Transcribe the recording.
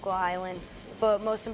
tapi paling penting di sini di gym